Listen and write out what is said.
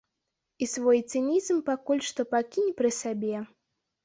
І свой цынізм пакуль што пакінь пры сабе.